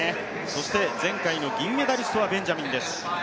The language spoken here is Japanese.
そして前回の銀メダリストはベンジャミンです。